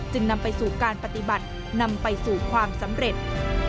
นำไปสู่การปฏิบัตินำไปสู่ความสำเร็จ